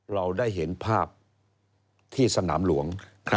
เราได้เห็นภาพที่สนามหลวง